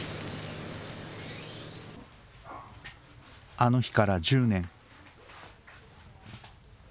あの日から１０年。